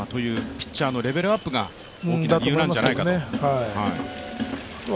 ピッチャーのレベルアップが大きな理由なんじゃないかと。